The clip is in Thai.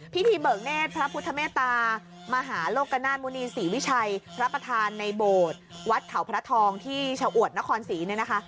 เบิกเนธพระพุทธเมตตามหาโลกนาฏมุณีศรีวิชัยพระประธานในโบสถ์วัดเขาพระทองที่ชาวอวดนครศรีเนี่ยนะคะ